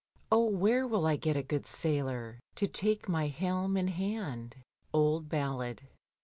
Oh where will I get a good sailor To take my helm in hand? Old Ballad.